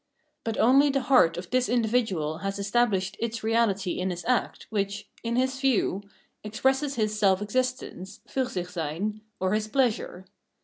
But only the heart of this individual has estabhshed its reahty in his act, which, in his view, expresses his self existence {Fursichseyn) or his pleasure.